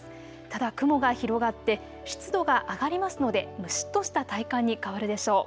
ただ雲が広がって湿度が上がりますので蒸しっとした体感に変わるでしょう。